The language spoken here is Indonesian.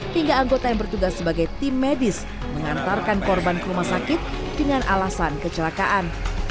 hingga anggota yang bertugas sebagai tim medis mengantarkan korban ke rumah sakit dengan alasan kecelakaan